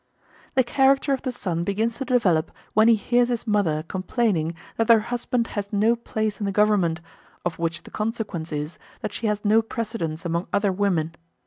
The character of the son begins to develope when he hears his mother complaining that her husband has no place in the government, of which the consequence is that she has no precedence among other women.